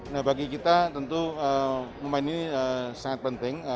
nah bagi kita tentu pemain ini sangat penting